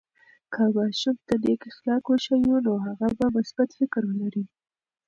که ماشوم ته نیک اخلاق وښیو، نو هغه به مثبت فکر ولري.